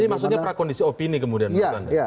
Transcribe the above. maksudnya prakondisi opini kemudian bukan